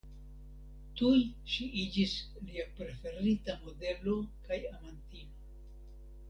Tuj ŝi iĝis lia preferita modelo kaj amantino.